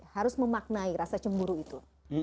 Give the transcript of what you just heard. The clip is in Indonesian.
harus memaknai rasa cemburu itu